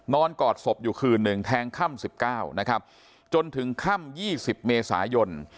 นอนกอดศพอยู่คืนหนึ่งแทงค่ำสิบเก้านะครับจนถึงค่ำยี่สิบเมษายน